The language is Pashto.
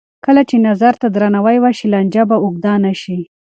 کله چې نظر ته درناوی وشي، لانجه به اوږده نه شي.